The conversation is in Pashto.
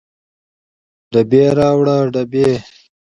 ډبې راوړه ډبې